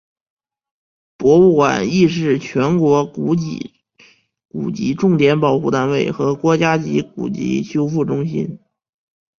博物馆亦是全国古籍重点保护单位和国家级古籍修复中心。